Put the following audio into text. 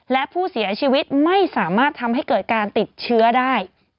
และผู้เสียชีวิตไม่สามารถทำให้เกิดการติดเชื้อได้